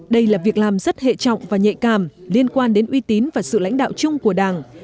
đây là việc làm rất hệ trọng và nhạy cảm liên quan đến uy tín và sự lãnh đạo chung của đảng